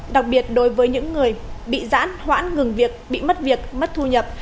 đặc biệt đối với những người bị giãn hoãn ngừng việc bị mất việc mất thu nhập